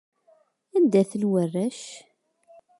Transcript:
Anda-ten warrac?